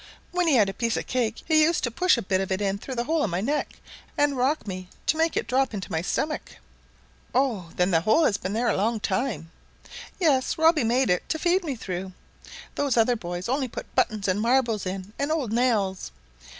When he had a piece of cake he used to push a bit in through the hole in my neck, and rock me to make it drop into my stomach." "Oh! then the hole has been there a long time." "Yes; Robbie made it to feed me through; those other boys only put buttons and marbles in, and old nails.